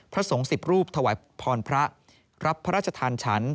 สงฆ์๑๐รูปถวายพรพระรับพระราชทานฉัน